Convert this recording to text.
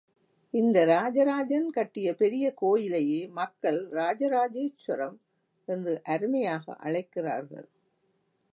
இந்த ராஜராஜன் கட்டிய பெரிய கோயிலையே மக்கள் ராஜராஜேச்சுரம் என்று அருமையாக அழைக்கிறார்கள்.